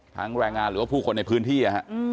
ทั้งแรงงานหรือผู้คนในพื้นที่อ่ะฮะ